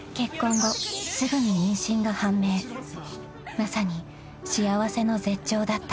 ［まさに幸せの絶頂だった］